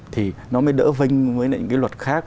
thì nó mới đỡ vinh với những cái luật khác